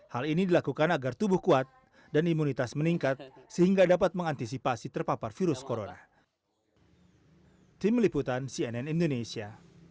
hal ini dilakukan agar tubuh kuat dan imunitas meningkat sehingga dapat mengantisipasi terpapar virus corona